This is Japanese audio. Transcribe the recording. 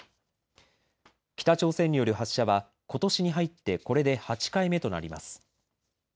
北朝鮮による発射はことしに入ってこれで８回目となります。